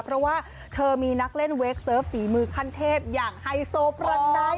เพราะว่าเธอมีนักเล่นเวคเซิร์ฟฝีมือขั้นเทพอย่างไฮโซประไนท์